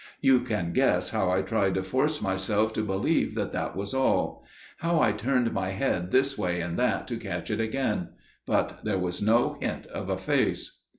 You can guess how I tried to force myself to believe that that was all; how I turned my head this way and that to catch it again; but there was no hint of a face.